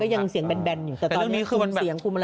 ก็ยังเสียงแบนอยู่แต่ตอนนี้คือมันแบบ